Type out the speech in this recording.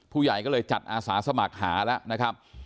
ผู้ใหญ่ก็เลยจัดอาสาสมัครหาแล้วนะครับ